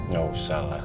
gak usah lah